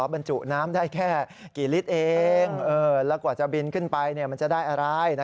บรรจุน้ำได้แค่กี่ลิตรเองแล้วกว่าจะบินขึ้นไปมันจะได้อะไร